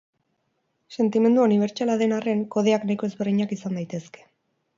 Sentimendua unibertsala den arren, kodeak nahiko ezberdinak izan daitezke.